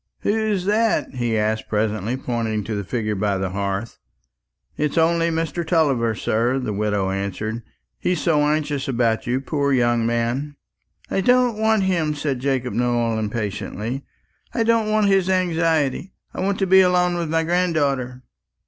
"Who's that?" he asked presently, pointing to the figure by the hearth. "It's only Mr. Tulliver, sir," the widow answered. "He's so anxious about you, poor young man." "I don't want him," said Jacob Nowell impatiently. "I don't want his anxiety; I want to be alone with my granddaughter."